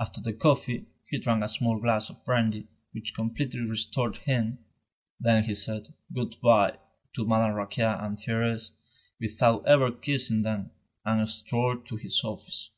After the coffee, he drank a small glass of brandy which completely restored him. Then he said "good bye" to Madame Raquin and Thérèse, without ever kissing them, and strolled to his office.